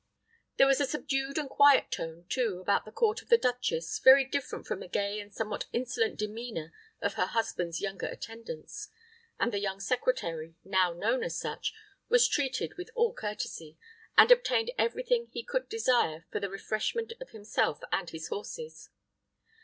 There was a subdued and quiet tone, too, about the court of the duchess, very different from the gay and somewhat insolent demeanor of her husband's younger attendants; and the young secretary, now known as such, was treated with all courtesy, and obtained every thing he could desire for the refreshment of himself and his horses.